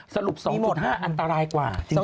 สรุป๒๕อันตรายกว่าจริง